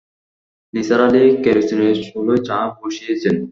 নিসার আলি কেরোসিনের চুলোয় চা বসিয়েছেন।